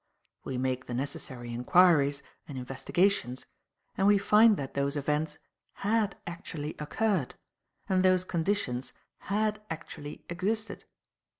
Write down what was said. We make the necessary inquiries and investigations, and we find that those events had actually occurred and those conditions had actually existed.